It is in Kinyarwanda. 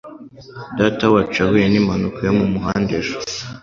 Datawacu yahuye nimpanuka yo mumuhanda ejo.